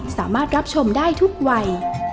สามารถรับชมได้ทุกวัย